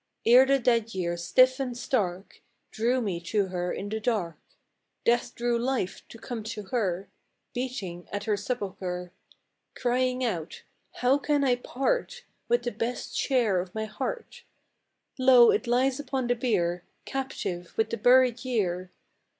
Ere the dead year, stiff and stark, Drew me to her in the dark; Death drew life to come to her, Beating at her sepulchre, Crying out, " How can I part With the best share of my heart; Lo, it lies upon the bier, Captive, with the buried year.